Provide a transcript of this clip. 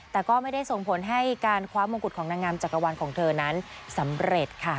แต่ก็ไม่ได้ส่งผลให้การคว้ามงกุฎของนางงามจักรวาลของเธอนั้นสำเร็จค่ะ